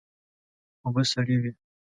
اوبه سړې وې.